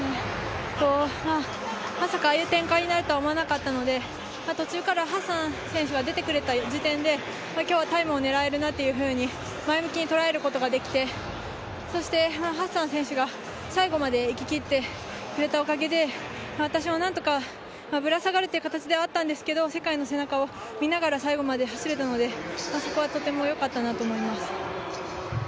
まさかああいう展開になるとは思わなかったので、途中からハッサン選手が出てくれた時点で、今日はタイムを狙えるなと前向きに捉えることができて、ハッサン選手が最後まで行ききってくれたおかげで、私もなんとかぶら下がるという形ではあったんですけど世界の背中を見ながら最後まで走れたので、そこはとてもよかったなと思います。